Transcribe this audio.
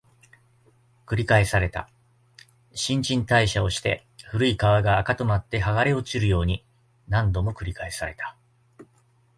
繰り返された、新陳代謝をして、古い皮が垢となって剥がれ落ちるように、何度も繰り返された